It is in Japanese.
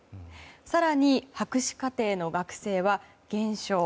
更に、博士課程の学生は減少。